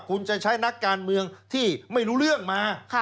คุณจะใช้นักการเมืองที่ไม่รู้เรื่องมา